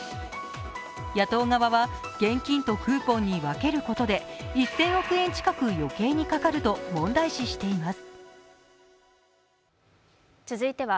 野党側は現金とクーポンに分けることで１０００億円近く余計にかかると問題視しています。